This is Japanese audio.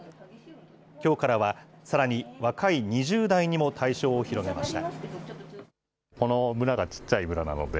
きょうからは、さらに若い２０代にも対象を広げました。